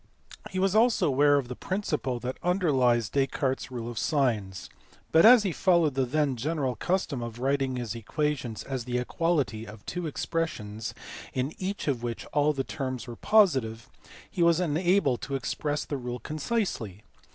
He was also aware of the principle that underlies Descartes s " rule of signs/ but as he followed the then general custom of writing his equations as the equality of two expressions in each of which all the terms were positive he was unable to express the rule concisely.